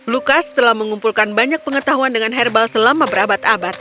lukas telah mengumpulkan banyak pengetahuan dengan herbal selama berabad abad